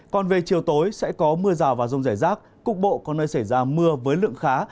còn về chiều tối sẽ có mưa rào và rông rải rác cục bộ có nơi xảy ra mưa với lượng khá